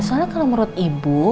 soalnya kalau menurut ibu